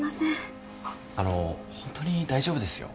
あのホントに大丈夫ですよ。